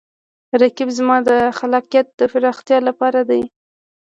رقیب زما د خلاقیت د پراختیا لپاره دی